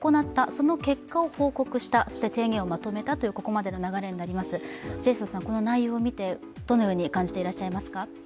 その結果を報告した、そして提言をまとめたというここまでの流れになります、この内容を見て、どのように感じていらっしゃいますか？